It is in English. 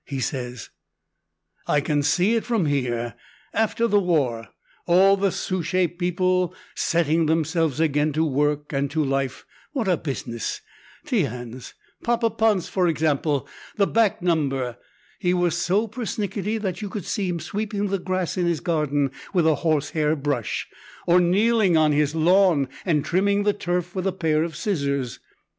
He says "I can see it from here, after the war, all the Souchez people setting themselves again to work and to life what a business! Tiens, Papa Ponce, for example, the back number! He was so pernickety that you could see him sweeping the grass in his garden with a horsehair brush, or kneeling on his lawn and trimming the turf with a pair of scissors.